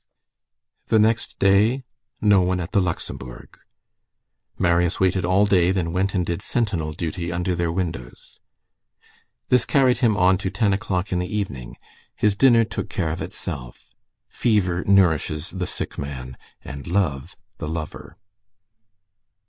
The next day, no one at the Luxembourg. Marius waited all day, then went and did sentinel duty under their windows. This carried him on to ten o'clock in the evening. His dinner took care of itself. Fever nourishes the sick man, and love the lover.